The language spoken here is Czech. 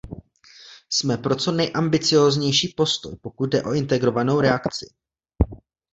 Jsme pro co nejambicióznější postoj, pokud jde o integrovanou reakci.